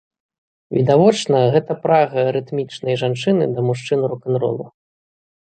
Відавочна, гэта прага арытмічнай жанчыны да мужчын рок-н-ролу.